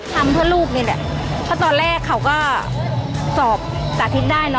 ทำเพื่อลูกนี่แหละเพราะตอนแรกเขาก็สอบสาธิตได้เนอ